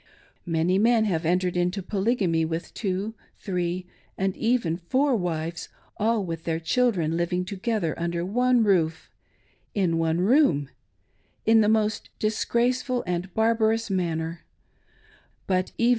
Many merj have entered into Polygamy, with two, three, and even four wives, all, with their children, living together under one rocrf — in one roomr rln the most disgraceful and barbarous manner ; but evei